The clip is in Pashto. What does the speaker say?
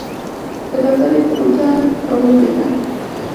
د ډبرې ټوټه راولوېده.